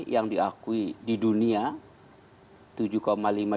yang diakui di dunia